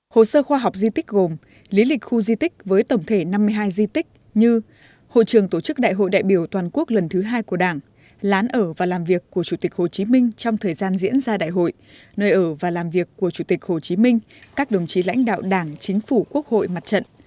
hồ sơ khoa học di tích gồm lý lịch khu di tích với tổng thể năm mươi hai di tích như hội trường tổ chức đại hội đại biểu toàn quốc lần thứ hai của đảng lán ở và làm việc của chủ tịch hồ chí minh trong thời gian diễn ra đại hội nơi ở và làm việc của chủ tịch hồ chí minh các đồng chí lãnh đạo đảng chính phủ quốc hội mặt trận